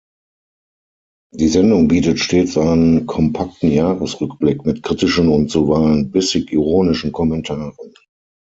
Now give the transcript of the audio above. Die Sendung bietet stets einen kompakten Jahresrückblick mit kritischen und zuweilen bissig-ironischen Kommentaren.